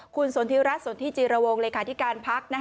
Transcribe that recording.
คุณสนทิศรัทธิ์สนทิศจีรวงเลยค่ะที่การพักษ์